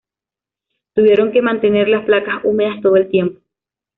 Tuvieron que mantener las placas húmedas todo el tiempo.